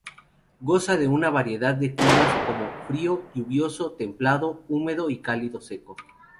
Goza de una variedad de climas como: frío, lluvioso, templado húmedo y cálido seco.